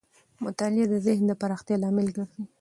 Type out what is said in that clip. مطالعه د ذهن د پراختیا لامل ګرځي.